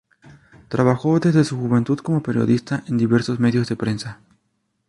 Trabajó desde su juventud como periodista en diversos medios de prensa.